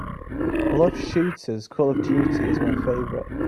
I love shooters, Call of Duty is my favorite.